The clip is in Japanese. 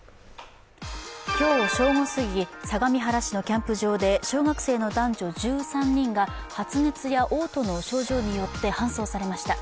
今日正午すぎ、相模原市のキャンプ場で小学生の男女１３人が発熱やおう吐の症状によって搬送されました。